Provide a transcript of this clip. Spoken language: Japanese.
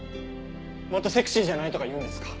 また「セクシーじゃない」とか言うんですか？